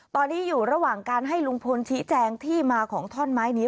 ตอนนี้อยู่ระหว่างการให้ลุงพลชี้แจงที่มาของท่อนไม้นี้